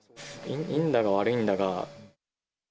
いいんだか、悪いんだか。